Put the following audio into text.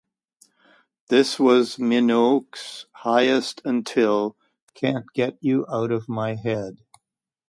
This was Minogue's highest until "Can't Get You Out Of My Head".